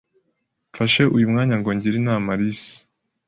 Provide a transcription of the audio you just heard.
mfashe uyu mwanya ngo ngire inama Alice.